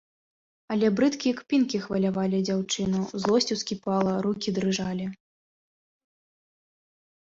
Але брыдкія кпінкі хвалявалі дзяўчыну, злосць ускіпала, рукі дрыжалі.